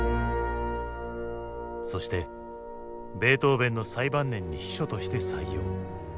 そしてベートーヴェンの最晩年に秘書として採用。